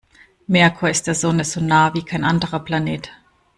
Merkur ist der Sonne so nah wie kein anderer Planet.